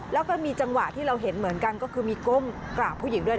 แล้วก็มีจังหวะที่เราเห็นเหมือนกันก็คือมีก้มกราบผู้หญิงด้วย